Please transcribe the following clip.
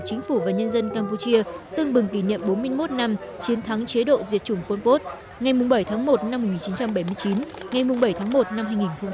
chính phủ và nhân dân campuchia tương bừng kỷ niệm bốn mươi một năm chiến thắng chế độ diệt chủng pol pot ngày bảy tháng một năm một nghìn chín trăm bảy mươi chín ngày bảy tháng một năm hai nghìn hai mươi